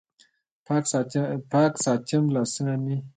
پاک ساتم لاسونه مې